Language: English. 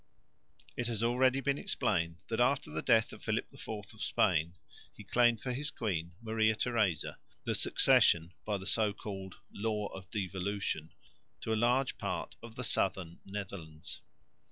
It has already been explained that after the death of Philip IV of Spain he claimed for his queen, Maria Theresa, the succession, by the so called "law of devolution," to a large part of the southern Netherlands.